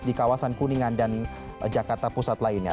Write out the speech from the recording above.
di kawasan kuningan dan jakarta pusat lainnya